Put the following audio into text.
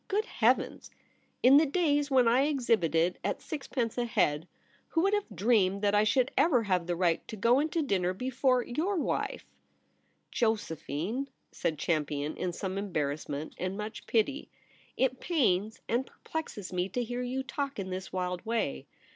Good heavens ! In the days when I exhibited at sixpence a head, who would have dreamed that I should ever have the right to go into dinner h^ior & yoicr wife !'' Josephine,' said Champion, in some em barrassment and much pity, ' it pains and perplexes me to hear you talk in this wild way.